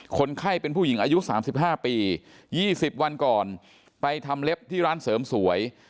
คนไข้เป็นผู้หญิงอายุ๓๕ปี๒๐วันก่อนไปทำเล็บที่ร้านเสริมสวย